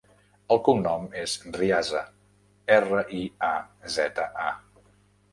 El cognom és Riaza: erra, i, a, zeta, a.